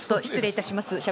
失礼いたします。